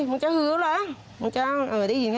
มึงจะหือเหรอ